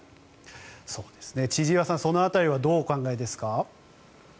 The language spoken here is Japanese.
千々岩さんその辺りはどうお考えですか？